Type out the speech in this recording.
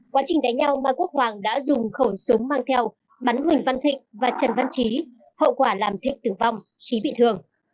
quá trình đánh nhau mai quốc hoàng đã dùng khẩu súng mang theo bắn huỳnh văn thịnh và trần văn trí hậu quả làm thịnh tử vong trí bị thương